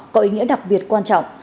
có ý nghĩa đặc biệt quan trọng